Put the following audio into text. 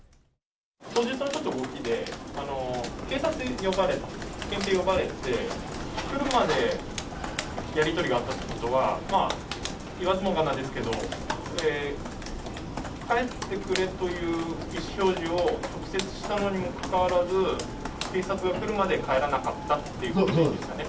当日の動きで、警察呼ばれて、県警呼ばれて、来るまでやり取りがあったってことは、言わずもがなですけど、帰ってくれという意思表示を直接したのにもかかわらず、警察が来るまで帰らなかったということですかね。